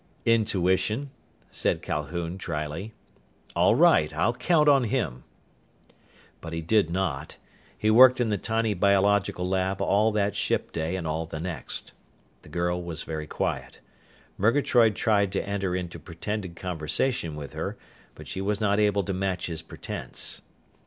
"Intuition," said Calhoun dryly. "All right. I'll count on him." But he did not. He worked in the tiny biological lab all that ship day and all the next. The girl was very quiet. Murgatroyd tried to enter into pretended conversation with her, but she was not able to match his pretense.